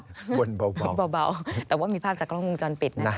วนเบาแต่ว่ามีภาพจากกล้องวงจรปิดนะคะ